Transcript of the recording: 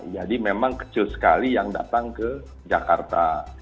jadi memang kecil sekali yang datang ke jakarta